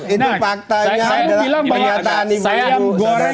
itu faktanya adalah penggiatan ibu saudara